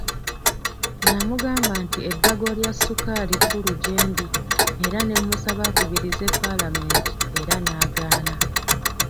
Namugamba nti ebbago lya Ssukaali kkulu gyendi era ne musaba akubirize paalamenti era n'agaana.